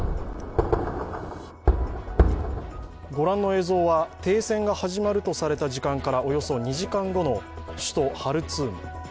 ご覧の映像は停戦が始まるとされた時間からおよそ２時間後の首都ハルツーム。